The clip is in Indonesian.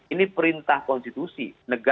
ini perintah konstitusi